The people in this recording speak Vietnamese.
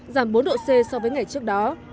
giảm bốn độ c so với ngày trước đó